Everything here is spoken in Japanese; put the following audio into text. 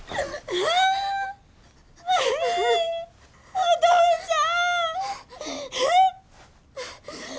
お父ちゃん！